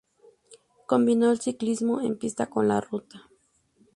Combinó el ciclismo en pista con la ruta.